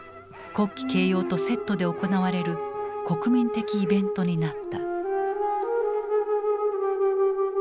国旗掲揚とセットで行われる国民的イベントになった。